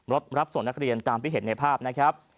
รถรับส่วนนักเรียนตามพิเศษในภาพนะครับ